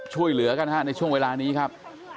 ช่วยเหลือกันฮะในช่วงเวลานี้ครับ